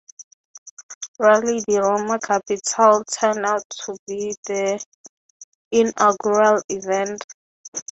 Rally di Roma Capitale turned out to be the inaugural event.